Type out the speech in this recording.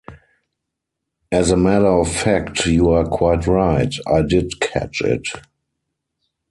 As a matter of fact, you are quite right. I did catch it.